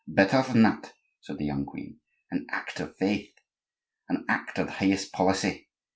"Better than that," said the young queen, "an act of faith, an act of the highest policy.